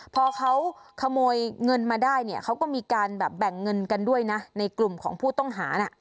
พอเขาขโมยเงินมาได้เนี่ยเขาก็มีการแบบแบ่งเงินกันด้วยนะในกลุ่มของผู้ต้องหาน่ะ